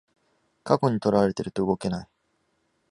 過去にとらわれてると動けない